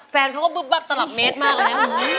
แฟนเขาก็บึ๊บวับตลับเมตรมากเลยนะ